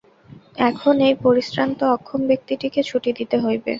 এখন এই পরিশ্রান্ত অক্ষম ব্যক্তিটিকে ছুটি দিতে হইবে।